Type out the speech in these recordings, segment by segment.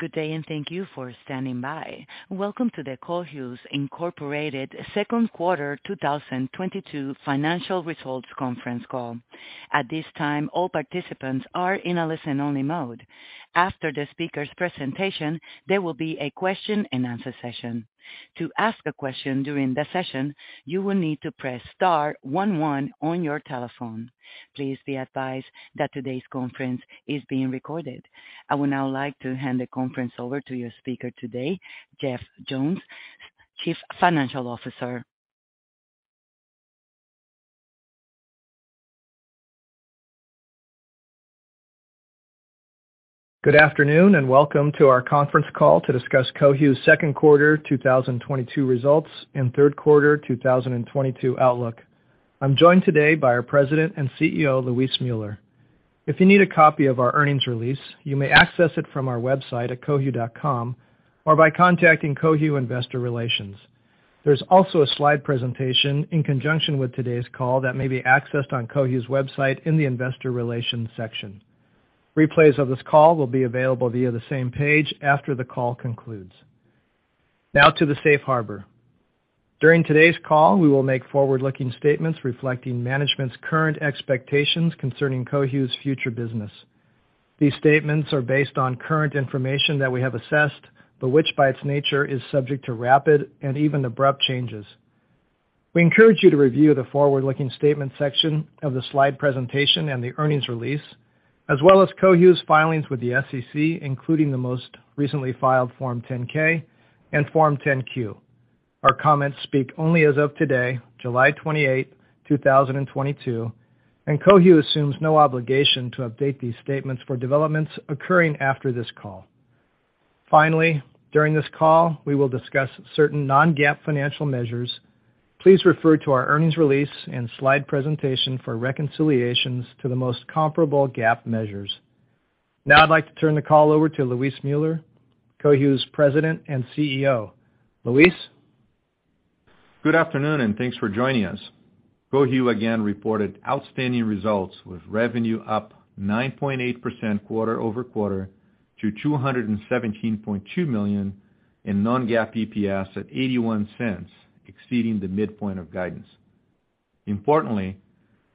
Good day, and thank you for standing by. Welcome to the Cohu, Inc. second quarter 2022 financial results conference call. At this time, all participants are in a listen-only mode. After the speaker's presentation, there will be a question-and-answer session. To ask a question during the session, you will need to press star one one on your telephone. Please be advised that today's conference is being recorded. I would now like to hand the conference over to your speaker today, Jeff Jones, Chief Financial Officer. Good afternoon, and welcome to our conference call to discuss Cohu's second quarter 2022 results and third quarter 2022 outlook. I'm joined today by our President and CEO, Luis Müller. If you need a copy of our earnings release, you may access it from our website at cohu.com or by contacting Cohu Investor Relations. There's also a slide presentation in conjunction with today's call that may be accessed on Cohu's website in the Investor Relations section. Replays of this call will be available via the same page after the call concludes. Now to the safe harbor. During today's call, we will make forward-looking statements reflecting management's current expectations concerning Cohu's future business. These statements are based on current information that we have assessed, but which by its nature is subject to rapid and even abrupt changes. We encourage you to review the forward-looking statement section of the slide presentation and the earnings release, as well as Cohu's filings with the SEC, including the most recently filed Form 10-K and Form 10-Q. Our comments speak only as of today, July twenty-eight, two thousand and twenty-two, and Cohu assumes no obligation to update these statements for developments occurring after this call. Finally, during this call, we will discuss certain non-GAAP financial measures. Please refer to our earnings release and slide presentation for reconciliations to the most comparable GAAP measures. Now I'd like to turn the call over to Luis Müller, Cohu's President and CEO. Luis. Good afternoon, and thanks for joining us. Cohu again reported outstanding results, with revenue up 9.8% quarter-over-quarter to $217.2 million in non-GAAP EPS at $0.81, exceeding the midpoint of guidance. Importantly,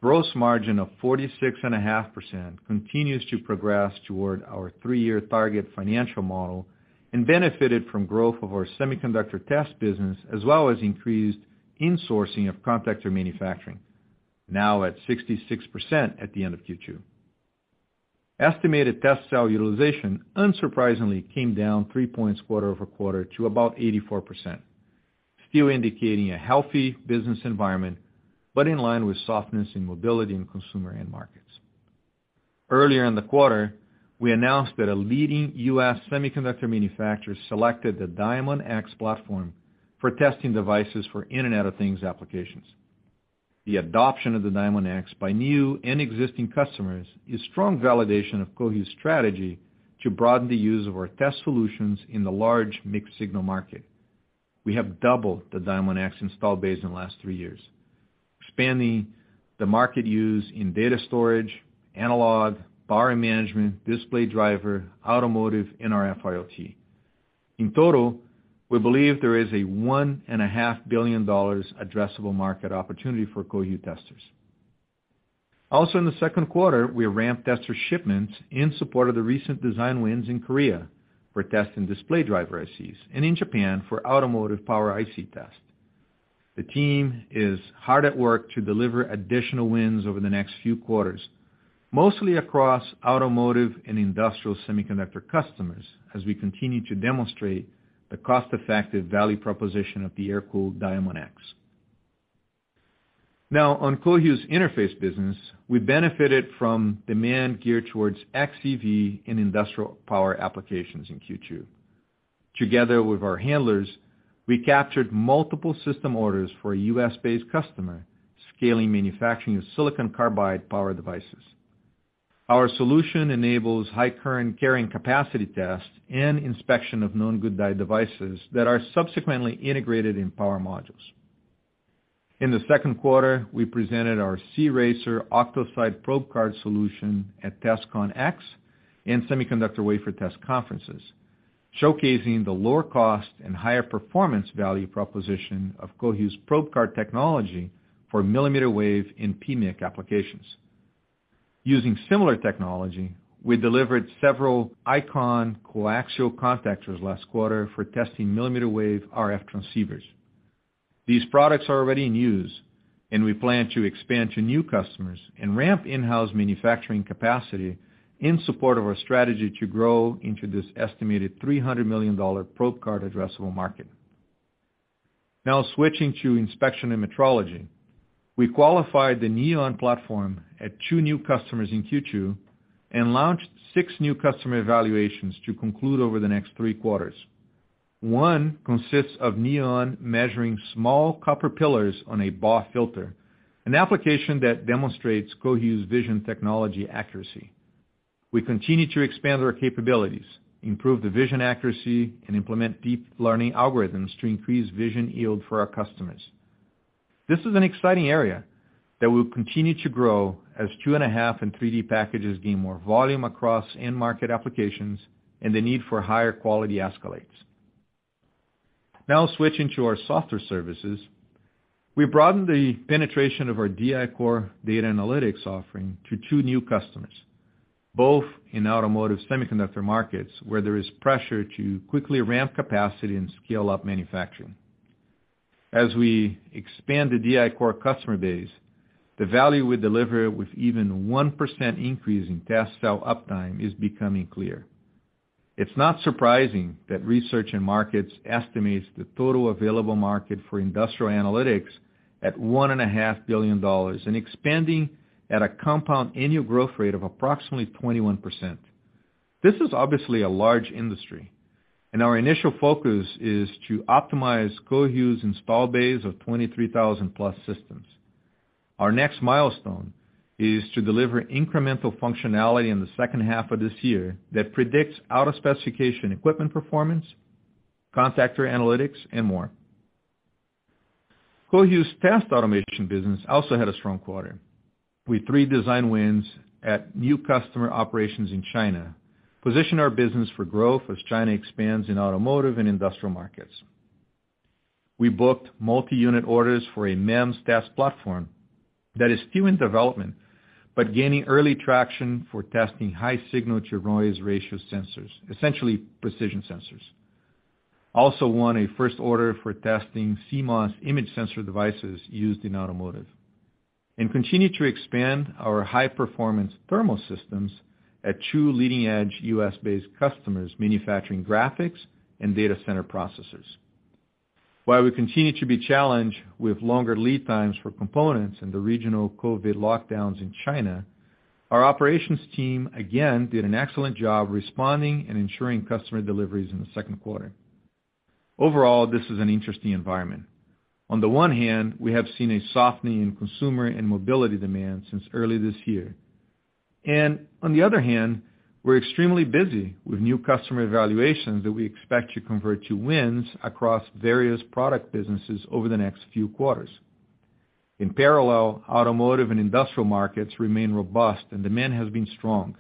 gross margin of 46.5% continues to progress toward our three-year target financial model, and benefited from growth of our semiconductor test business, as well as increased insourcing of contactor manufacturing. Now at 66% at the end of Q2. Estimated test cell utilization unsurprisingly came down three points quarter-over-quarter to about 84%, still indicating a healthy business environment, but in line with softness in mobility and consumer end markets. Earlier in the quarter, we announced that a leading U.S. semiconductor manufacturer selected the Diamondx platform for testing devices for Internet of Things applications. The adoption of the Diamondx by new and existing customers is strong validation of Cohu's strategy to broaden the use of our test solutions in the large mixed signal market. We have doubled the Diamondx install base in the last three years, expanding the market use in data storage, analog, power management, display driver, automotive, and RF IoT. In total, we believe there is a $1.5 billion addressable market opportunity for Cohu testers. Also in the second quarter, we ramped tester shipments in support of the recent design wins in Korea for test and display driver ICs, and in Japan for automotive power IC test. The team is hard at work to deliver additional wins over the next few quarters, mostly across automotive and industrial semiconductor customers as we continue to demonstrate the cost-effective value proposition of the air-cooled Diamondx. Now, on Cohu's interface business, we benefited from demand geared towards xEV in industrial power applications in Q2. Together with our handlers, we captured multiple system orders for a U.S.-based customer scaling manufacturing of silicon carbide power devices. Our solution enables high current carrying capacity tests and inspection of known good die devices that are subsequently integrated in power modules. In the second quarter, we presented our C-RACER OctoSite probe card solution at TestConX and Semiconductor Wafer Test conferences, showcasing the lower cost and higher performance value proposition of Cohu's probe card technology for millimeter wave in PMIC applications. Using similar technology, we delivered several ICON coaxial contactors last quarter for testing millimeter wave RF transceivers. These products are already in use, and we plan to expand to new customers and ramp in-house manufacturing capacity in support of our strategy to grow into this estimated $300 million probe card addressable market. Now switching to inspection and metrology. We qualified the Neon platform at two new customers in Q2 and launched six new customer evaluations to conclude over the next three quarters. One consists of Neon measuring small copper pillars on a BAW filter, an application that demonstrates Cohu's vision technology accuracy. We continue to expand our capabilities, improve the vision accuracy, and implement deep learning algorithms to increase vision yield for our customers. This is an exciting area that will continue to grow as 2.5D and 3D packages gain more volume across end market applications and the need for higher quality escalates. Now switching to our software services. We broadened the penetration of our DI-Core data analytics offering to two new customers, both in automotive semiconductor markets where there is pressure to quickly ramp capacity and scale up manufacturing. As we expand the DI-Core customer base, the value we deliver with even 1% increase in test cell uptime is becoming clear. It's not surprising that Research and Markets estimates the total available market for industrial analytics at $1.5 billion and expanding at a compound annual growth rate of approximately 21%. This is obviously a large industry, and our initial focus is to optimize Cohu's installed base of 23,000+ systems. Our next milestone is to deliver incremental functionality in the second half of this year that predicts out of specification equipment performance, contactor analytics, and more. Cohu's test automation business also had a strong quarter, with three design wins at new customer operations in China, positioning our business for growth as China expands in automotive and industrial markets. We booked multi-unit orders for a MEMS test platform that is still in development, but gaining early traction for testing high signal-to-noise ratio sensors, essentially precision sensors. Also won a first order for testing CMOS image sensor devices used in automotive, and continue to expand our high-performance thermal systems at two leading-edge U.S.-based customers manufacturing graphics and data center processors. While we continue to be challenged with longer lead times for components and the regional COVID lockdowns in China, our operations team again did an excellent job responding and ensuring customer deliveries in the second quarter. Overall, this is an interesting environment. On the one hand, we have seen a softening in consumer and mobility demand since early this year. On the other hand, we're extremely busy with new customer evaluations that we expect to convert to wins across various product businesses over the next few quarters. In parallel, automotive and industrial markets remain robust and demand has been strong.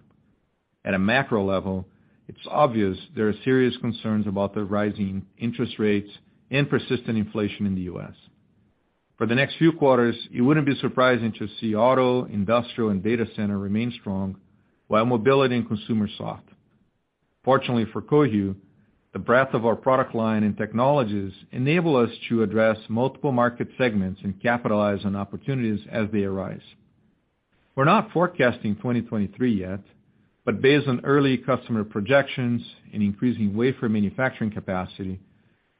At a macro level, it's obvious there are serious concerns about the rising interest rates and persistent inflation in the U.S.. For the next few quarters, you wouldn't be surprised to see auto, industrial, and data center remain strong while mobility and consumer soften. Fortunately for Cohu, the breadth of our product line and technologies enable us to address multiple market segments and capitalize on opportunities as they arise. We're not forecasting 2023 yet, but based on early customer projections and increasing wafer manufacturing capacity,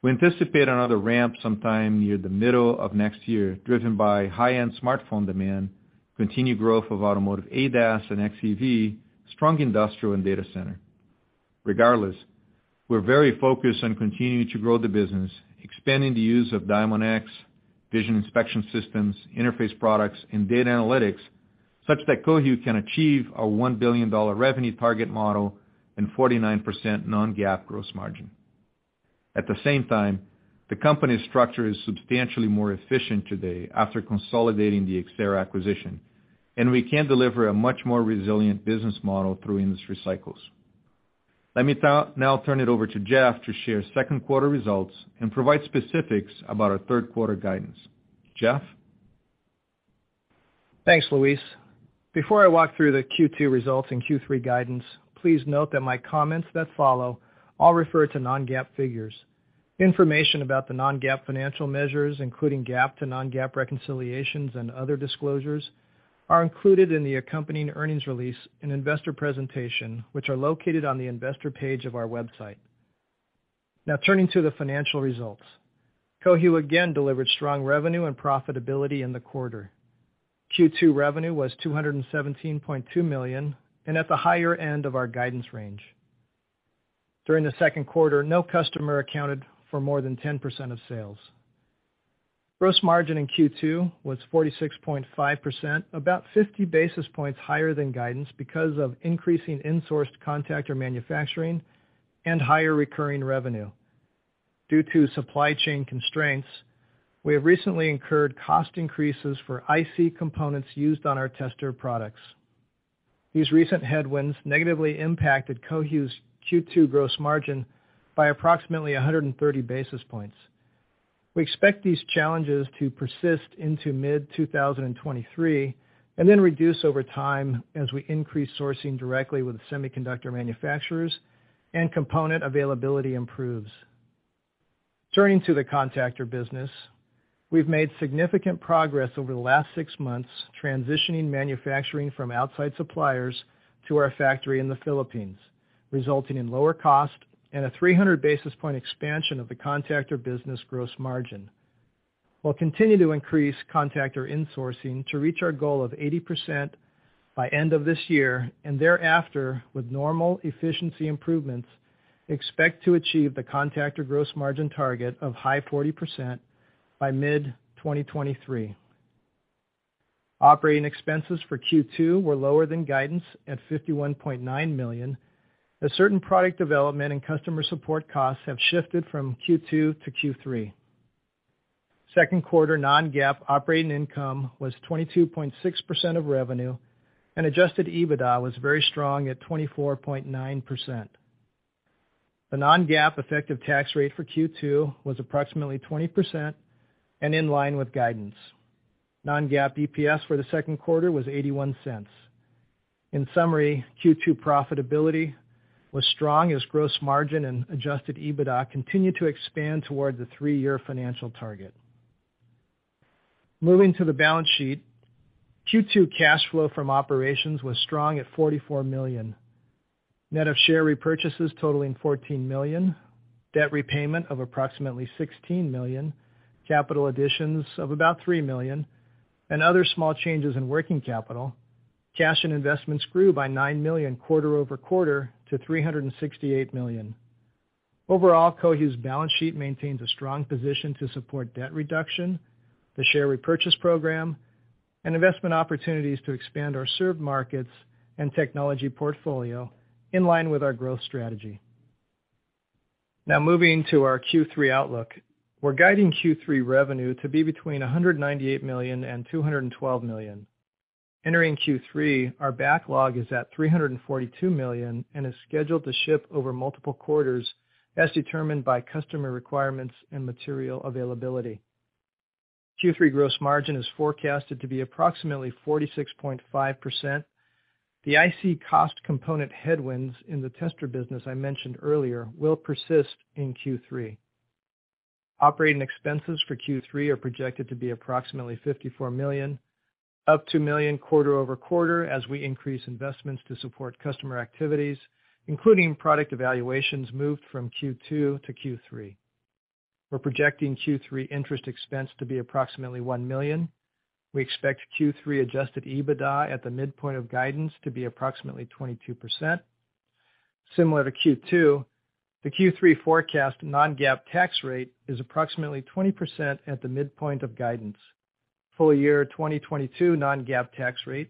we anticipate another ramp sometime near the middle of next year, driven by high-end smartphone demand, continued growth of automotive ADAS and xEV, strong industrial and data center. Regardless, we're very focused on continuing to grow the business, expanding the use of Diamondx, vision inspection systems, interface products, and data analytics, such that Cohu can achieve our $1 billion revenue target model and 49% non-GAAP gross margin. At the same time, the company's structure is substantially more efficient today after consolidating the Xcerra acquisition, and we can deliver a much more resilient business model through industry cycles. Let me now turn it over to Jeff to share second quarter results and provide specifics about our third quarter guidance. Jeff? Thanks, Luis. Before I walk through the Q2 results and Q3 guidance, please note that my comments that follow all refer to non-GAAP figures. Information about the non-GAAP financial measures, including GAAP to non-GAAP reconciliations and other disclosures, are included in the accompanying earnings release and investor presentation, which are located on the Investor page of our website. Now turning to the financial results. Cohu again delivered strong revenue and profitability in the quarter. Q2 revenue was $217.2 million and at the higher end of our guidance range. During the second quarter, no customer accounted for more than 10% of sales. Gross margin in Q2 was 46.5%, about 50 basis points higher than guidance because of increasing insourced contactor manufacturing and higher recurring revenue. Due to supply chain constraints, we have recently incurred cost increases for IC components used on our tester products. These recent headwinds negatively impacted Cohu's Q2 gross margin by approximately 130 basis points. We expect these challenges to persist into mid-2023, and then reduce over time as we increase sourcing directly with semiconductor manufacturers and component availability improves. Turning to the contactor business. We've made significant progress over the last six months transitioning manufacturing from outside suppliers to our factory in the Philippines, resulting in lower cost and a 300 basis point expansion of the contactor business gross margin. We'll continue to increase contactor insourcing to reach our goal of 80% by end of this year, and thereafter, with normal efficiency improvements, expect to achieve the contactor gross margin target of high 40% by mid-2023. Operating expenses for Q2 were lower than guidance at $51.9 million. A certain product development and customer support costs have shifted from Q2 to Q3. Second quarter non-GAAP operating income was 22.6% of revenue, and adjusted EBITDA was very strong at 24.9%. The non-GAAP effective tax rate for Q2 was approximately 20% and in line with guidance. Non-GAAP EPS for the second quarter was $0.81. In summary, Q2 profitability was strong as gross margin and adjusted EBITDA continued to expand toward the three-year financial target. Moving to the balance sheet. Q2 cash flow from operations was strong at $44 million, net of share repurchases totaling $14 million, debt repayment of approximately $16 million, capital additions of about $3 million and other small changes in working capital, cash and investments grew by $9 million quarter-over-quarter to $368 million. Overall, Cohu's balance sheet maintains a strong position to support debt reduction, the share repurchase program, and investment opportunities to expand our served markets and technology portfolio in line with our growth strategy. Now moving to our Q3 outlook. We're guiding Q3 revenue to be between $198 million and $212 million. Entering Q3, our backlog is at $342 million and is scheduled to ship over multiple quarters as determined by customer requirements and material availability. Q3 gross margin is forecasted to be approximately 46.5%. The IC cost component headwinds in the tester business I mentioned earlier will persist in Q3. Operating expenses for Q3 are projected to be approximately $54 million, up $2 million quarter-over-quarter as we increase investments to support customer activities, including product evaluations moved from Q2 to Q3. We're projecting Q3 interest expense to be approximately $1 million. We expect Q3 adjusted EBITDA at the midpoint of guidance to be approximately 22%. Similar to Q2, the Q3 forecast non-GAAP tax rate is approximately 20% at the midpoint of guidance. Full-year 2022 non-GAAP tax rate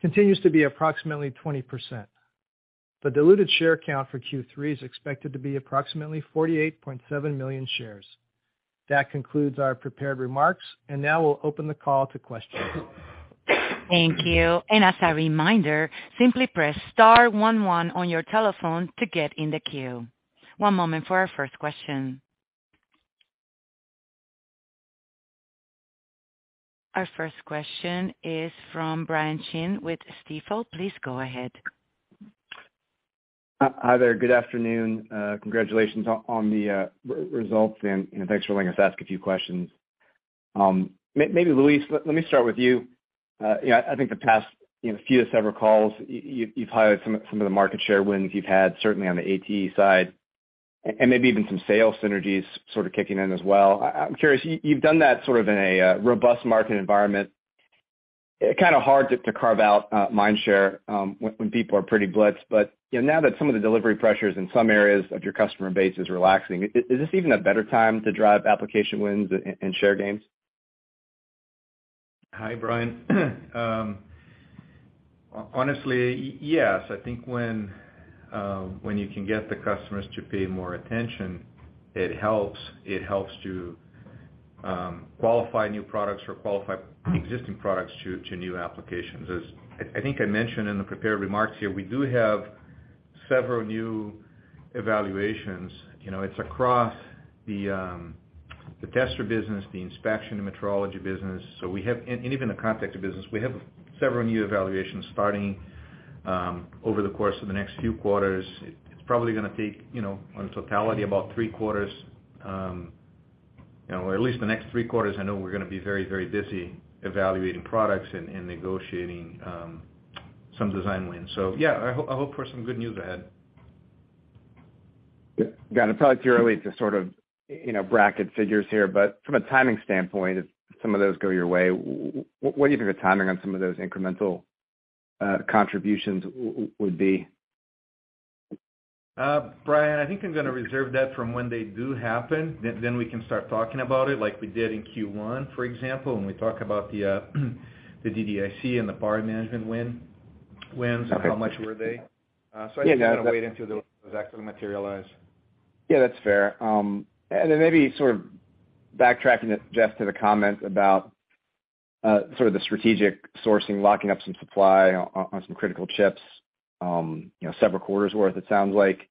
continues to be approximately 20%. The diluted share count for Q3 is expected to be approximately 48.7 million shares. That concludes our prepared remarks, and now we'll open the call to questions. Thank you. As a reminder, simply press star one one on your telephone to get in the queue. One moment for our first question. Our first question is from Brian Chin with Stifel. Please go ahead. Hi there. Good afternoon. Congratulations on the results, and thanks for letting us ask a few questions. Maybe Luis, let me start with you. Yeah, I think the past few of several calls, you've highlighted some of the market share wins you've had, certainly on the ATE side, and maybe even some sales synergies sort of kicking in as well. I'm curious, you've done that sort of in a robust market environment. Kind of hard to carve out mind share when people are pretty blitzed. You know, now that some of the delivery pressures in some areas of your customer base is relaxing, is this even a better time to drive application wins and share gains? Hi, Brian. Honestly, yes. I think when you can get the customers to pay more attention, it helps. It helps to qualify new products or qualify existing products to new applications. As I think I mentioned in the prepared remarks here, we do have several new evaluations. You know, it's across the tester business, the inspection, the metrology business. And even the contact business, we have several new evaluations starting over the course of the next few quarters. It's probably gonna take, you know, on totality, about three quarters, or at least the next three quarters. I know we're gonna be very, very busy evaluating products and negotiating some design wins. Yeah, I hope for some good news ahead. Got it. Probably too early to sort of, you know, bracket figures here, but from a timing standpoint, if some of those go your way, what do you think the timing on some of those incremental contributions would be? Brian, I think I'm gonna reserve that for when they do happen. We can start talking about it like we did in Q1, for example, when we talk about the DDIC and the power management win-wins and how much were they. Okay. I think I'm gonna wait until those actually materialize. Yeah, that's fair. Maybe sort of backtracking to Jeff's comment about sort of the strategic sourcing, locking up some supply of some critical chips, you know, several quarters worth, it sounds like.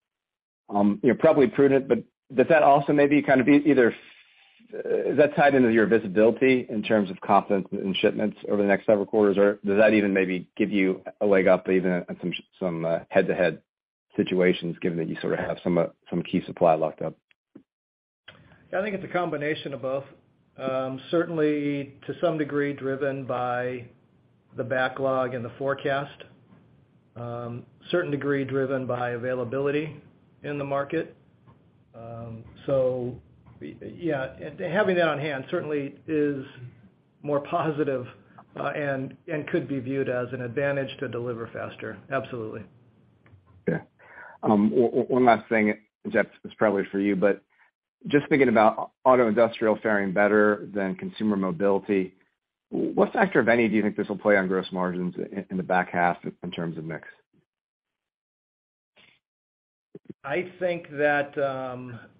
You're probably prudent, but does that also maybe kind of, is that tied into your visibility in terms of confidence in shipments over the next several quarters, or does that even maybe give you a leg up, even on some head-to-head situations given that you sort of have some key supply locked up? I think it's a combination of both. Certainly to some degree driven by the backlog and the forecast. Certain degree driven by availability in the market. Yeah, having that on hand certainly is more positive, and could be viewed as an advantage to deliver faster. Absolutely. Okay. One last thing, Jeff, it's probably for you, but just thinking about auto, industrial faring better than consumer mobility, what factor, if any, do you think this will play on gross margins in the back half in terms of mix? I think that,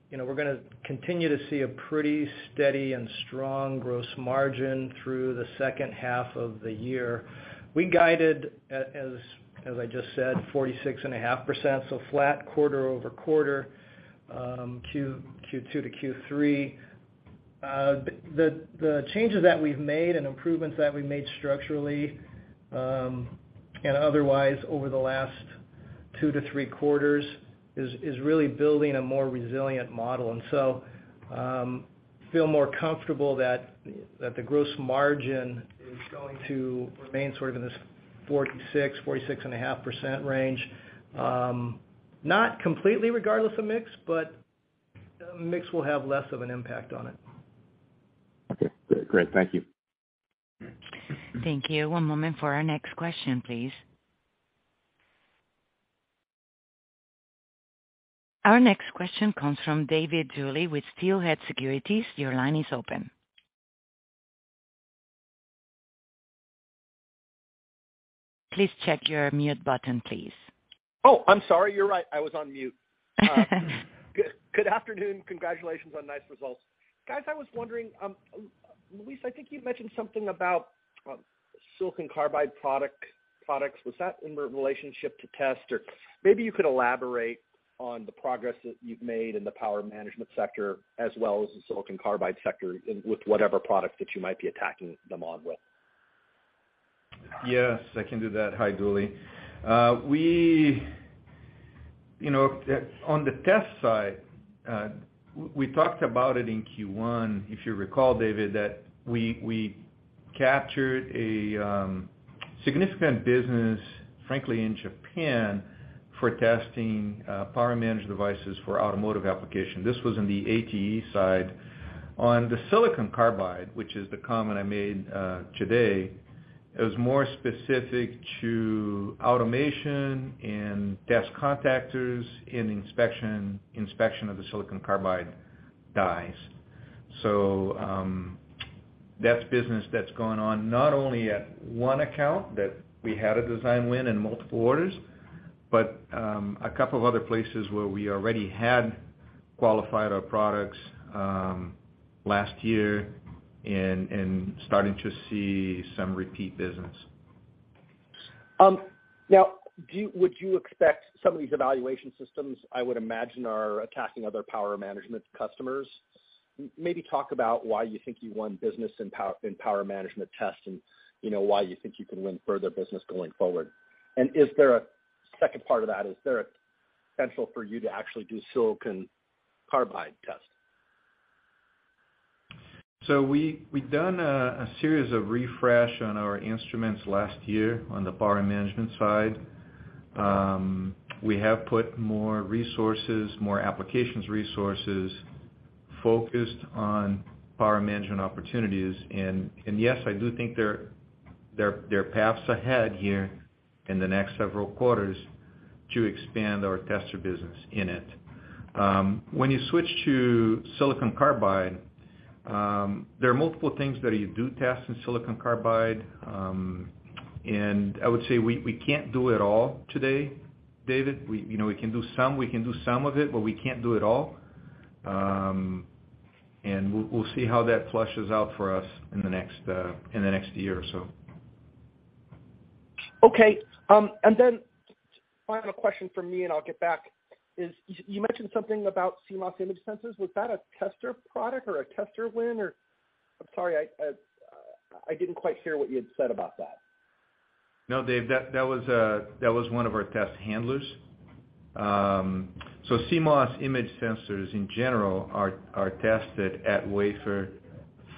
you know, we're gonna continue to see a pretty steady and strong gross margin through the second half of the year. We guided, as I just said, 46.5%, so flat quarter-over-quarter, Q2 to Q3. The changes that we've made and improvements that we made structurally and otherwise over the last two to three quarters is really building a more resilient model. Feel more comfortable that the gross margin is going to remain sort of in this 46.5% range. Not completely regardless of mix, but mix will have less of an impact on it. Okay, great. Thank you. Thank you. One moment for our next question, please. Our next question comes from David Duley with Steelhead Securities. Your line is open. Please check your mute button, please. Oh, I'm sorry. You're right. I was on mute. Good afternoon. Congratulations on nice results. Guys, I was wondering, Luis, I think you mentioned something about silicon carbide products. Was that in relationship to test? Or maybe you could elaborate on the progress that you've made in the power management sector as well as the silicon carbide sector with whatever product that you might be attacking them on with. Yes, I can do that. Hi, Duley. You know, on the test side, we talked about it in Q1, if you recall, David, that we captured a significant business, frankly, in Japan for testing power management devices for automotive application. This was in the ATE side. On the silicon carbide, which is the comment I made today, it was more specific to automation and test contactors and inspection of the silicon carbide dies. That's business that's gone on not only at one account that we had a design win in multiple orders, but a couple of other places where we already had qualified our products last year and starting to see some repeat business. Now, would you expect some of these evaluation systems, I would imagine, are attacking other power management customers? Maybe talk about why you think you won business in power management test and, you know, why you think you can win further business going forward. Is there a second part of that? Is there a potential for you to actually do silicon carbide test? We've done a series of refreshes on our instruments last year on the power management side. We have put more applications resources focused on power management opportunities. Yes, I do think there are paths ahead here in the next several quarters to expand our tester business in it. When you switch to silicon carbide, there are multiple things that you test in silicon carbide. I would say we can't do it all today, David. You know, we can do some of it, but we can't do it all. We'll see how that fleshes out for us in the next year or so. Okay. Final question from me, and I'll get back, is you mentioned something about CMOS image sensors. Was that a tester product or a tester win or? I'm sorry, I didn't quite hear what you had said about that. No, Dave, that was one of our test handlers. CMOS image sensors in general are tested at wafer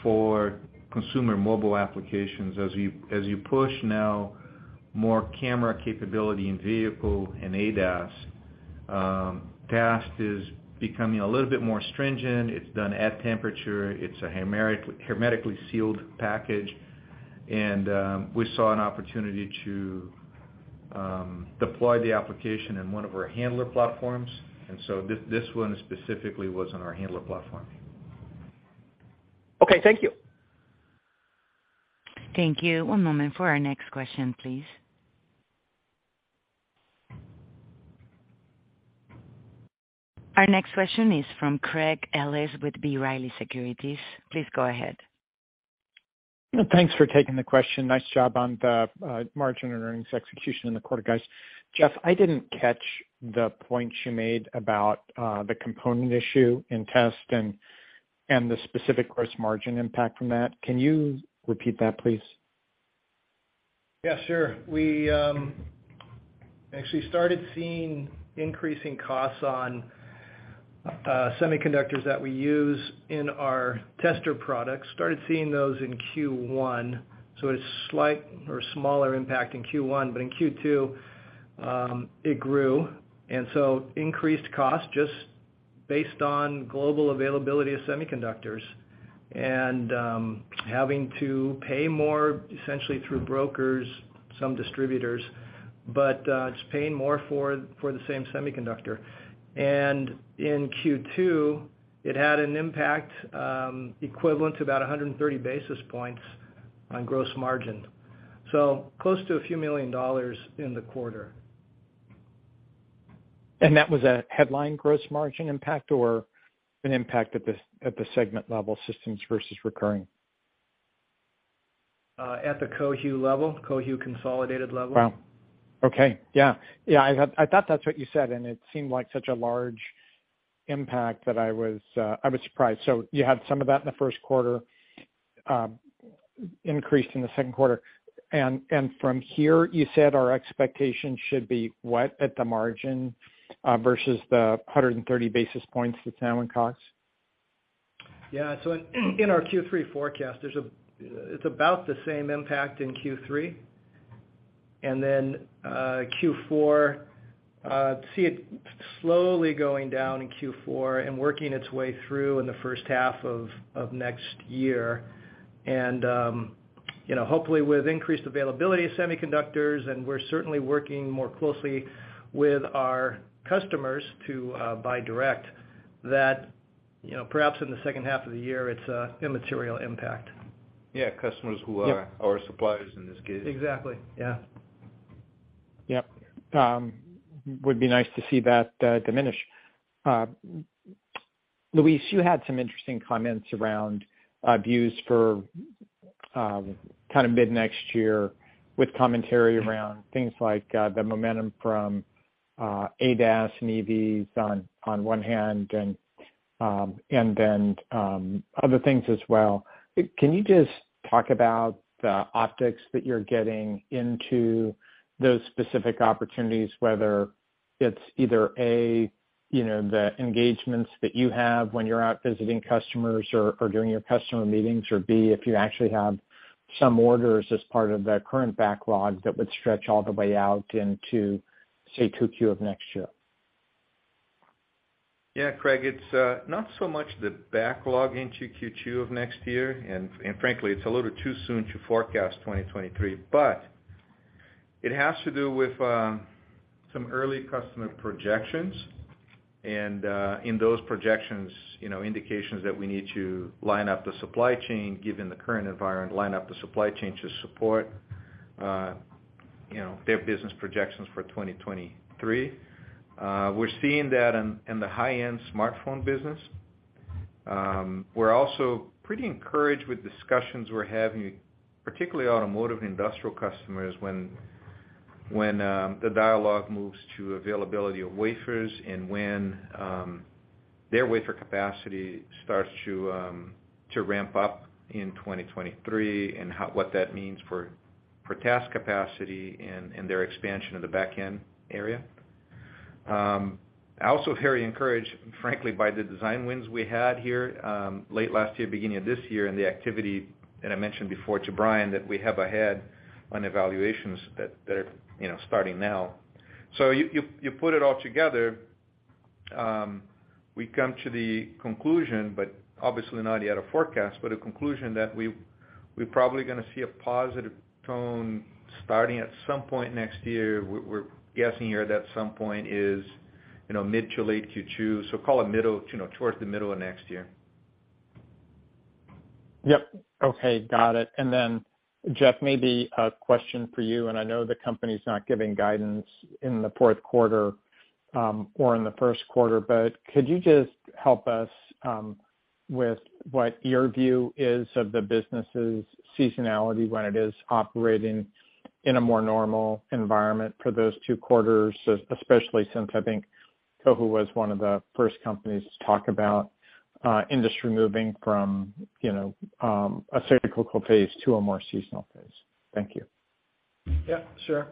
for consumer mobile applications. As you push now more camera capability in vehicle and ADAS, test is becoming a little bit more stringent. It's done at temperature. It's a hermetically sealed package. We saw an opportunity to deploy the application in one of our handler platforms. This one specifically was on our handler platform. Okay, thank you. Thank you. One moment for our next question, please. Our next question is from Craig Ellis with B. Riley Securities. Please go ahead. Thanks for taking the question. Nice job on the margin and earnings execution in the quarter, guys. Jeff, I didn't catch the point you made about the component issue in test and the specific gross margin impact from that. Can you repeat that, please? Yeah, sure. We actually started seeing increasing costs on semiconductors that we use in our tester products. Started seeing those in Q1, so a slight or smaller impact in Q1. In Q2, it grew, and so increased cost just based on global availability of semiconductors and having to pay more essentially through brokers, some distributors, but it's paying more for the same semiconductor. In Q2, it had an impact equivalent to about 100 basis points on gross margin, so close to $a few million in the quarter. That was a headline gross margin impact or an impact at the segment level systems versus recurring? At the Cohu level, Cohu consolidated level. Wow. Okay. Yeah, I thought that's what you said, and it seemed like such a large impact that I was surprised. You had some of that in the first quarter, increase in the second quarter. From here you said our expectation should be what at the margin, versus the 130 basis points that's now in costs? Yeah. In our Q3 forecast, it's about the same impact in Q3. In Q4, we see it slowly going down in Q4 and working its way through in the first half of next year. You know, hopefully with increased availability of semiconductors, and we're certainly working more closely with our customers to buy direct, that you know, perhaps in the second half of the year, it's an immaterial impact. Yeah, customers who are- Yep. Our suppliers in this case. Exactly. Yeah. Yep. Would be nice to see that diminish. Luis, you had some interesting comments around views for kind of mid-next year with commentary around things like the momentum from ADAS and EVs on one hand and then other things as well. Can you just talk about the optics that you're getting into those specific opportunities, whether it's either, A, you know, the engagements that you have when you're out visiting customers or doing your customer meetings, or B, if you actually have some orders as part of the current backlog that would stretch all the way out into, say, 2Q of next year? Yeah. Craig, it's not so much the backlog into Q2 of next year. Frankly, it's a little too soon to forecast 2023. But it has to do with some early customer projections. In those projections, you know, indications that we need to line up the supply chain, given the current environment, line up the supply chain to support, you know, their business projections for 2023. We're seeing that in the high-end smartphone business. We're also pretty encouraged with discussions we're having, particularly automotive and industrial customers when the dialogue moves to availability of wafers and when their wafer capacity starts to ramp up in 2023 and what that means for test capacity and their expansion of the back-end area. Also very encouraged, frankly, by the design wins we had here, late last year, beginning of this year, and the activity that I mentioned before to Brian that we have ahead on evaluations that they're, you know, starting now. You put it all together, we come to the conclusion, but obviously not yet a forecast, but a conclusion that we're probably gonna see a positive tone starting at some point next year. We're guessing here that some point is, you know, mid to late Q2. Call it middle, you know, towards the middle of next year. Yep. Okay. Got it. Jeff, maybe a question for you, and I know the company's not giving guidance in the fourth quarter, or in the first quarter, but could you just help us, with what your view is of the business's seasonality when it is operating in a more normal environment for those two quarters, especially since I think Cohu was one of the first companies to talk about industry moving from, you know, a cyclical phase to a more seasonal phase. Thank you. Yeah, sure.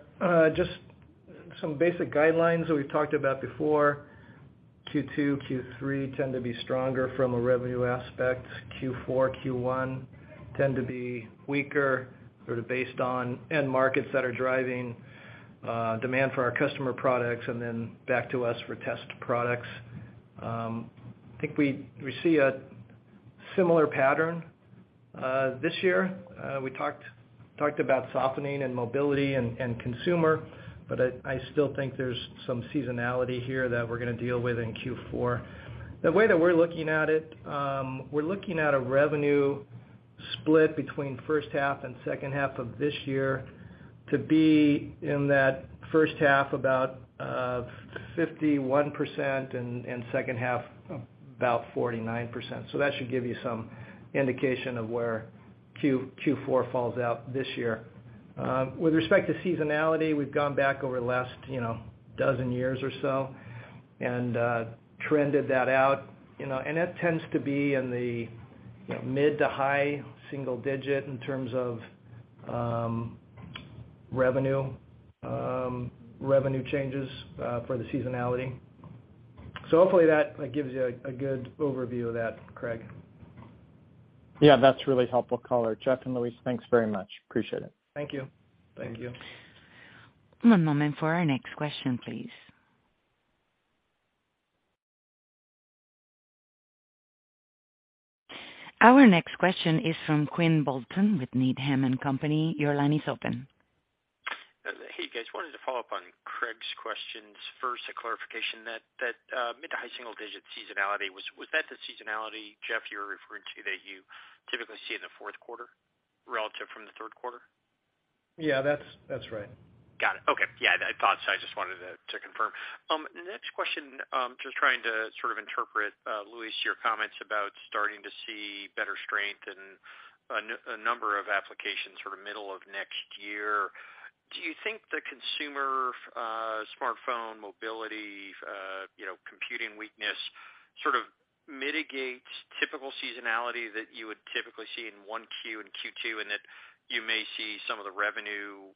Just some basic guidelines that we've talked about before. Q2, Q3 tend to be stronger from a revenue aspect. Q4, Q1 tend to be weaker, sort of based on end markets that are driving demand for our customer products and then back to us for test products. I think we see a similar pattern this year. We talked about softening in mobility and consumer, but I still think there's some seasonality here that we're gonna deal with in Q4. The way that we're looking at it, we're looking at a revenue split between first half and second half of this year to be in that first half about 51% and second half about 49%. That should give you some indication of where Q4 falls out this year. With respect to seasonality, we've gone back over the last, you know, dozen years or so and trended that out, you know. That tends to be in the, you know, mid to high-single-digit in terms of revenue changes for the seasonality. Hopefully that gives you a good overview of that, Craig. Yeah, that's really helpful color. Jeff and Luis, thanks very much. Appreciate it. Thank you. Thank you. One moment for our next question, please. Our next question is from Quinn Bolton with Needham & Company. Your line is open. Hey, guys. Wanted to follow up on Craig's questions. First, a clarification that mid to high single digit seasonality was that the seasonality, Jeff, you were referring to that you typically see in the fourth quarter relative from the third quarter? Yeah, that's right. Got it. Okay. Yeah, I thought so. I just wanted to confirm. Next question. Just trying to sort of interpret, Luis, your comments about starting to see better strength in a number of applications sort of middle of next year. Do you think the consumer smartphone mobility, you know, computing weakness sort of mitigates typical seasonality that you would typically see in Q1, in Q2, and that you may see some of the revenue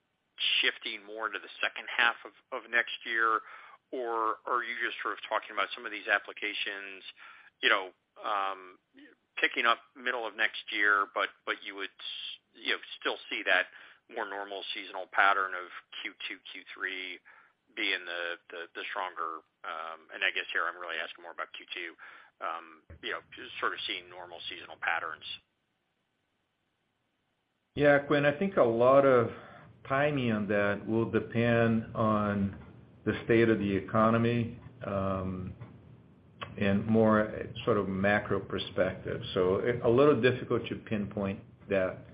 shifting more into the second half of next year? Or are you just sort of talking about some of these applications, you know, picking up middle of next year, but you would you know, still see that more normal seasonal pattern of Q2, Q3 being the stronger? I guess here I'm really asking more about Q2, you know, just sort of seeing normal seasonal patterns. Yeah. Quinn, I think a lot of timing on that will depend on the state of the economy, and more sort of macro perspective, so a little difficult to pinpoint that.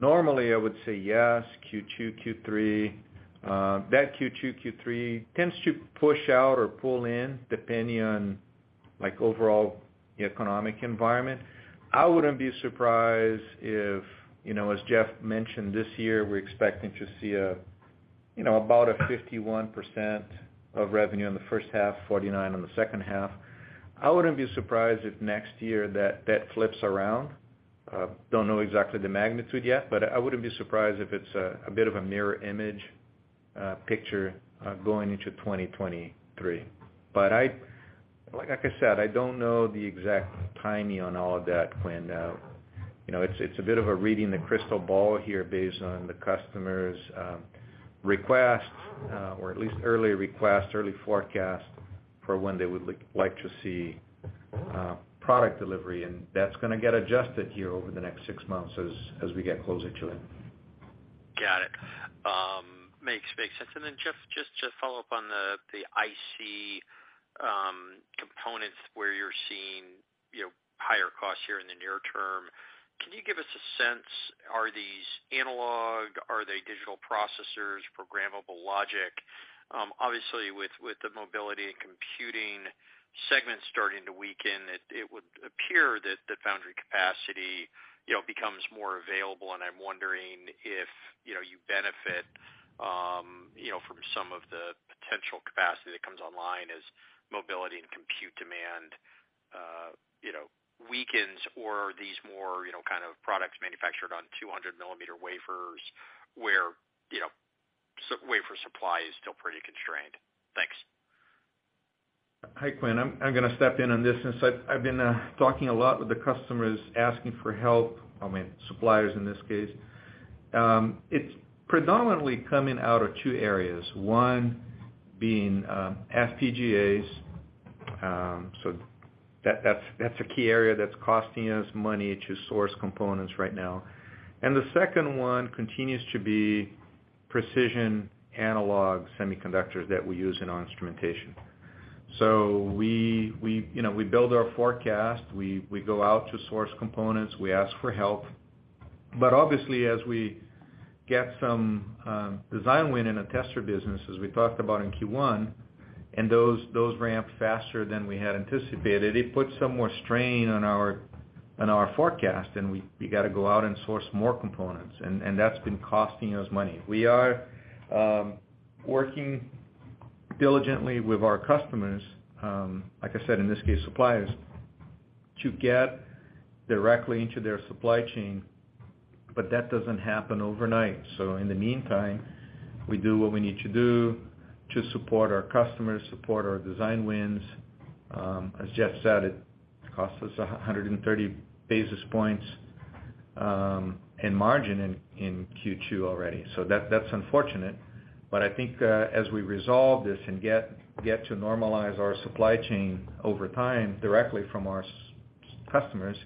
Normally, I would say yes, Q2, Q3. That Q2, Q3 tends to push out or pull in depending on like overall economic environment. I wouldn't be surprised if, you know, as Jeff mentioned this year, we're expecting to see a, you know, about a 51% of revenue in the first half, 49% on the second half. I wouldn't be surprised if next year that flips around. Don't know exactly the magnitude yet, but I wouldn't be surprised if it's a bit of a mirror image picture going into 2023. Like I said, I don't know the exact timing on all of that, Quinn. You know, it's a bit of a reading the crystal ball here based on the customers' request, or at least early request, early forecast for when they would like to see product delivery. That's gonna get adjusted here over the next six months as we get closer to it. Got it. Makes sense. Then, Jeff, just to follow up on the IC components where you're seeing, you know, higher costs here in the near term. Can you give us a sense, are these analog? Are they digital processors, programmable logic? Obviously with the mobility and computing segments starting to weaken, it would appear that the foundry capacity, you know, becomes more available, and I'm wondering if, you know, you benefit, you know, from some of the potential capacity that comes online as mobility and compute demand, you know, weakens or are these more, you know, kind of products manufactured on 200 mm wafers where, you know, silicon wafer supply is still pretty constrained. Thanks. Hi, Quinn. I'm gonna step in on this since I've been talking a lot with the customers asking for help, I mean, suppliers in this case. It's predominantly coming out of two areas, one being FPGAs, so that's a key area that's costing us money to source components right now. The second one continues to be precision analog semiconductors that we use in our instrumentation. We, you know, we build our forecast. We go out to source components. We ask for help. Obviously, as we get some design win in a tester business, as we talked about in Q1, and those ramp faster than we had anticipated, it puts some more strain on our forecast, and we gotta go out and source more components, and that's been costing us money. We are working diligently with our customers, like I said, in this case, suppliers, to get directly into their supply chain, but that doesn't happen overnight. In the meantime, we do what we need to do to support our customers, support our design wins. As Jeff said, it costs us 130 basis points in margin in Q2 already. That's unfortunate. I think, as we resolve this and get to normalize our supply chain over time directly from our customers,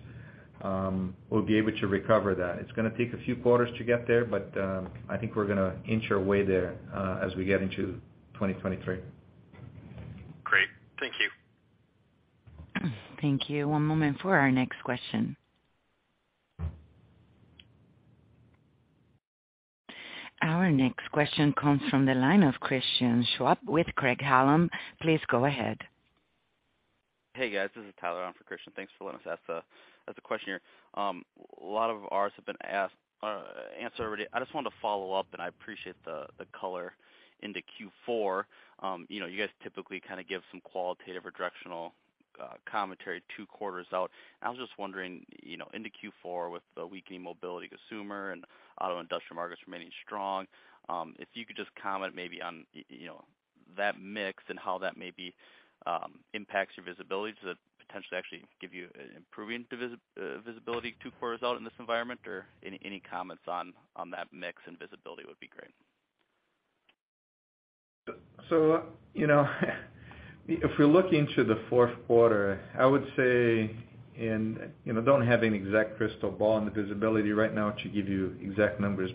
we'll be able to recover that. It's gonna take a few quarters to get there, but, I think we're gonna inch our way there, as we get into 2023. Great. Thank you. Thank you. One moment for our next question. Our next question comes from the line of Christian Schwab with Craig-Hallum. Please go ahead. Hey, guys. This is Tyler on for Christian. Thanks for letting us ask the question here. A lot of ours have been asked, answered already. I just wanted to follow up, and I appreciate the color into Q4. You know, you guys typically kind of give some qualitative or directional commentary two quarters out. I was just wondering, you know, into Q4, with the weakening mobility, consumer and auto industrial markets remaining strong, if you could just comment maybe on you know that mix and how that may be impacts your visibility, potentially actually give you improving visibility to quarters out in this environment, or any comments on that mix and visibility would be great. You know, if we're looking to the fourth quarter, I would say, and you know, I don't have an exact crystal ball on the visibility right now to give you exact numbers.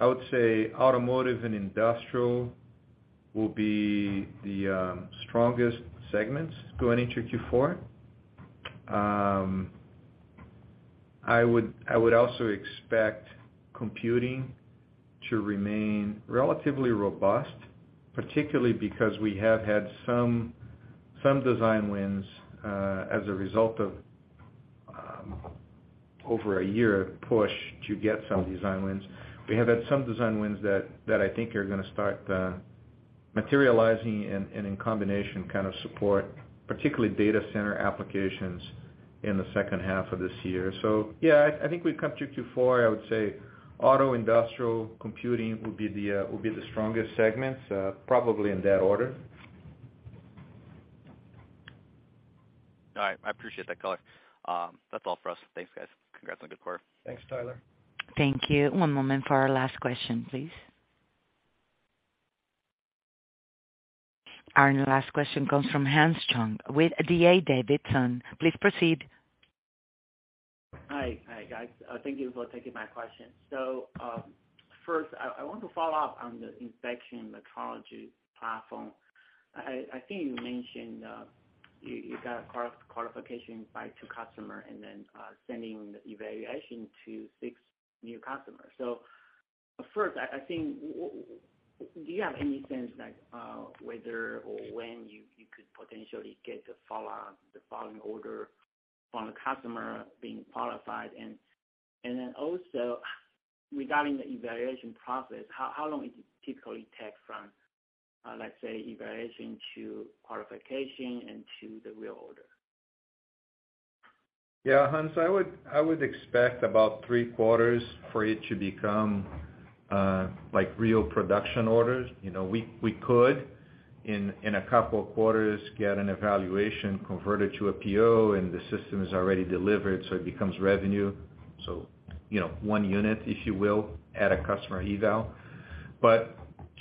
I would say automotive and industrial will be the strongest segments going into Q4. I would also expect computing to remain relatively robust, particularly because we have had some design wins as a result of over a year of push to get some design wins. We have had some design wins that I think are gonna start materializing and in combination kind of support, particularly data center applications in the second half of this year. Yeah, I think we come to Q4. I would say auto, industrial, computing will be the strongest segments, probably in that order. All right. I appreciate that color. That's all for us. Thanks, guys. Congrats on a good quarter. Thanks, Tyler. Thank you. One moment for our last question, please. Our last question comes from Hans Chung with D.A. Davidson. Please proceed. Hi. Hi, guys. Thank you for taking my question. First, I want to follow up on the inspection metrology platform. I think you mentioned you got qualification by two customer and then sending the evaluation to six new customers. First, I think do you have any sense like whether or when you could potentially get the follow on, the following order from the customer being qualified? Then also regarding the evaluation process, how long does it typically take from, let's say, evaluation to qualification and to the reorder? Yeah. Hans, I would expect about three quarters for it to become like real production orders. You know, we could in a couple of quarters get an evaluation converted to a PO and the system is already delivered, so it becomes revenue. You know, one unit, if you will, at a customer eval.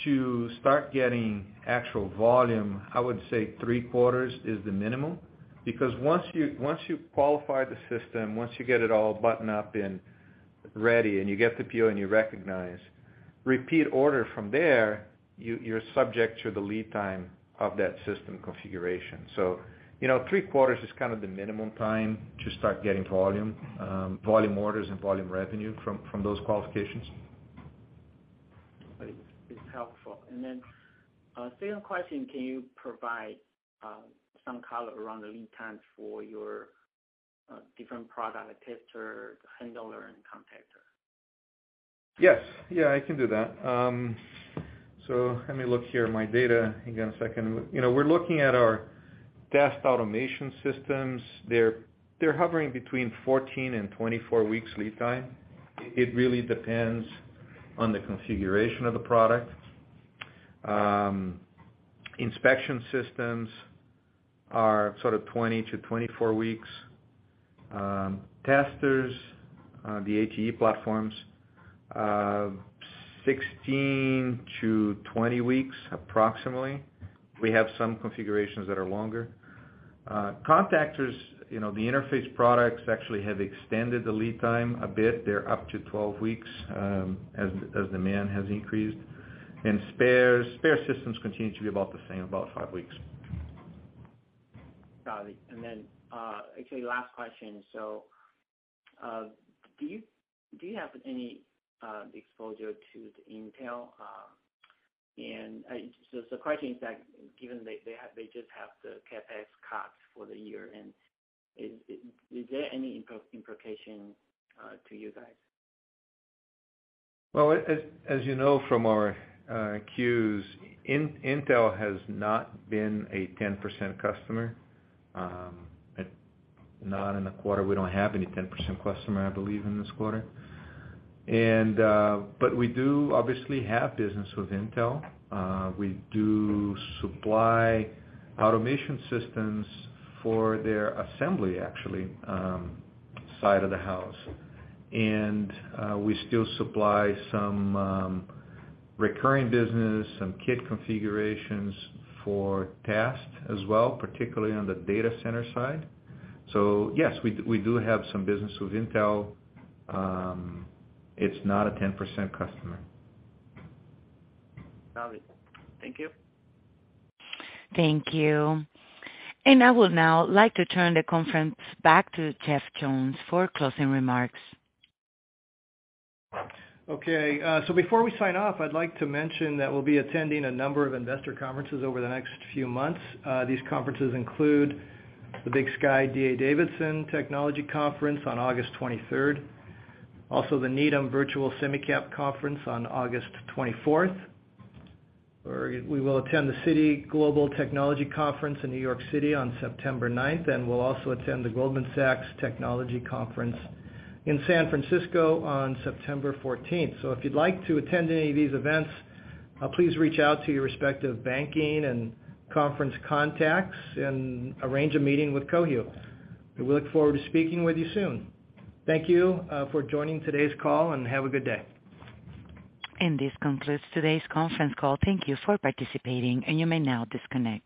To start getting actual volume, I would say three quarters is the minimum. Because once you qualify the system, once you get it all buttoned up and ready, and you get the PO and you recognize repeat order from there, you're subject to the lead time of that system configuration. You know, three quarters is kind of the minimum time to start getting volume orders and volume revenue from those qualifications. It's helpful. Second question, can you provide some color around the lead times for your different product tester, the handler and contactor? Yes. Yeah, I can do that. Let me look at my data. Hang on a second. You know, we're looking at our test automation systems. They're hovering between 14-24 weeks lead time. It really depends on the configuration of the product. Inspection systems are sort of 20-24 weeks. Testers, the ATE platforms, 16-20 weeks approximately. We have some configurations that are longer. Contactors, you know, the interface products actually have extended the lead time a bit. They're up to 12 weeks, as demand has increased. Spare systems continue to be about the same, about five weeks. Got it. Actually last question. Do you have any exposure to Intel? The question is that given they just have the CapEx cuts for the year and is there any implication to you guys? Well, as you know from our 10-Qs, Intel has not been a 10% customer, not in the quarter. We don't have any 10% customer, I believe, in this quarter. We do obviously have business with Intel. We do supply automation systems for their assembly, actually, side of the house. We still supply some recurring business, some kit configurations for tests as well, particularly on the data center side. Yes, we do have some business with Intel. It's not a 10% customer. Got it. Thank you. Thank you. I would now like to turn the conference back to Jeff Jones for closing remarks. Okay. Before we sign off, I'd like to mention that we'll be attending a number of investor conferences over the next few months. These conferences include the Big Sky D.A. Davidson Technology Conference on August 23rd, also the Needham Virtual SemiCap Conference on August 24th. We will attend the Citi Global Technology Conference in New York City on September 9th, and we'll also attend the Goldman Sachs Technology Conference in San Francisco on September 14th. If you'd like to attend any of these events, please reach out to your respective banking and conference contacts and arrange a meeting with Cohu. We look forward to speaking with you soon. Thank you for joining today's call, and have a good day. This concludes today's conference call. Thank you for participating, and you may now disconnect.